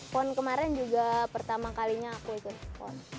pon kemarin juga pertama kalinya aku ikutin pon